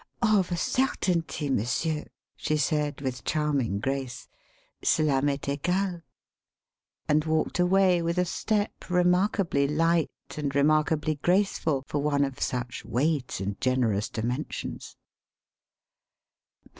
"Of a certainty, monsieur," she said, with charming grace. "Cela m'est egal," and walked away with a step remarkably light and remarkably graceful for one of such weight and generous dimensions.